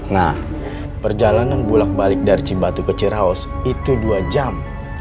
nah perjalanan bulat balik dari cibatu ke ciraos itu dua jam